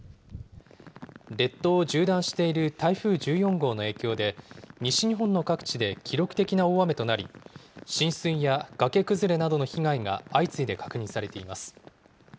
列島を縦断している台風１４号の影響で西日本の各地で記録的な大雨となり浸水や崖崩れなどの被害が相次いで確認されています。